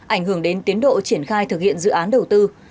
ảnh hưởng đến tiến độ triển khai thực hiện dự án đầu tư